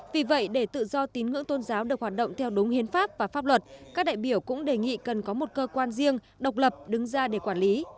vì vậy để tự do tín ngưỡng tôn giáo được hoạt động theo đúng hiến pháp và pháp luật các đại biểu cũng đề nghị cần có một cơ quan riêng độc lập đứng ra để quản lý